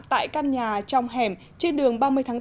tại căn nhà trong hẻm trên đường ba mươi tháng bốn